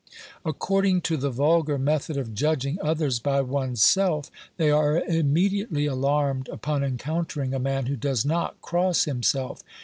According to the vulgar method of judging others by o 2IO OBERMANN one's self, they are immediately alarmed upon encountering a man who does not cross himself.